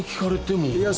いや。